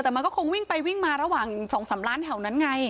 แต่มันก็คงวิ่งไปวิ่งมาระหว่าง๒๓ล้านแถวนั้นไง